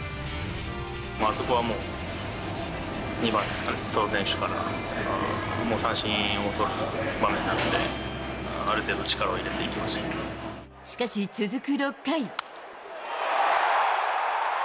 あそこはもう、２番のソト選手から三振を取る場面なので、ある程度、力を入れてしかし、続く６回。